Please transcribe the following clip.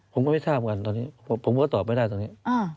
ผมก็ไม่ทราบกันตอนนี้ผมก็ตอบไม่ได้ตรงนี้